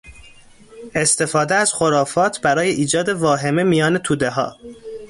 استفاده از خرافات برای ایجاد واهمه میان تودهها